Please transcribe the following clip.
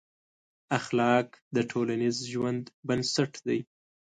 اخلاق د ټولنیز ژوند بنسټ دی.